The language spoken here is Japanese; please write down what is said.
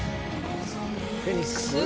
フェニックス？